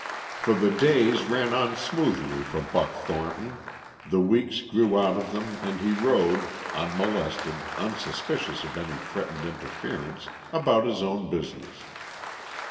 For the days ran on smoothly for Buck Thornton, the weeks grew out of them and he rode, unmolested, unsuspicious of any threatened interference, about his own business.